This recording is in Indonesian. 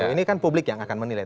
ini kan publik yang akan menilai